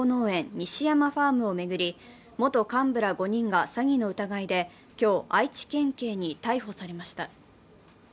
西山ファームを巡り、元幹部ら５人が詐欺の疑いで今日、愛知県警に逮捕されました。